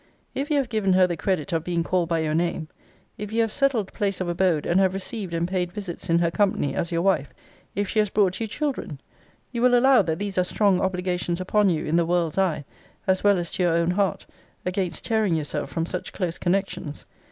] if you have given her the credit of being called by your name: if you have a settled place of abode, and have received and paid visits in her company, as your wife: if she has brought you children you will allow that these are strong obligations upon you in the world's eye, as well as to your own heart, against tearing yourself from such close connections.